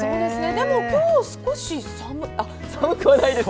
でも今日少し寒くはないですね。